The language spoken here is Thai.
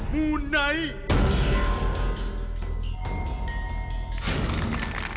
มูลไหน